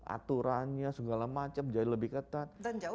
aturannya segala macam jadi lebih ketat